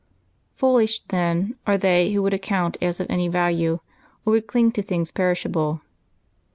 Foolish, then, are they who would account as of any value, or would cling to, things perishable!